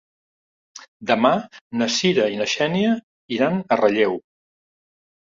Demà na Cira i na Xènia iran a Relleu.